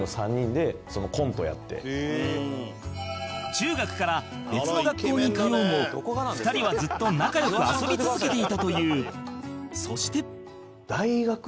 中学から別の学校に通うも２人はずっと仲良く遊び続けていたという